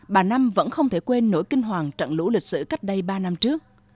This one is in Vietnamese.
bà năm vẫn không thể quên nỗi kinh hoàng trận lũ lịch sử cách đây ba năm trước